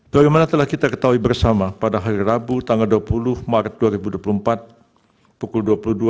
bagaimana telah kita ketahui bersama pada hari rabu tanggal dua puluh maret dua ribu dua puluh empat pukul dua puluh dua